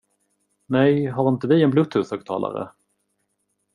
Nej, har inte vi en Bluetoothhögtalare?